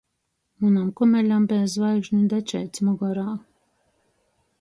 Munam kumeļam beja zvaigžņu dečeits mugurā.